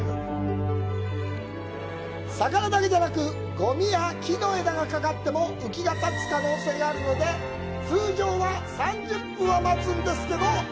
魚だけじゃなくごみや木の枝がかかってっも浮きが立つ可能性もあるので通常３０分以上待つんですけども。